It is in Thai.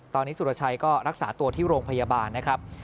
ตอนนี้สุรชัยก็รักษาตัวที่โรงพยาบาลนะครับ